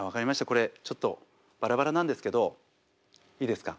これちょっとバラバラなんですけどいいですか？